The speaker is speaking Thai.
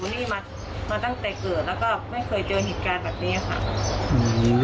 นี่มามาตั้งแต่เกิดแล้วก็ไม่เคยเจอเหตุการณ์แบบนี้ค่ะ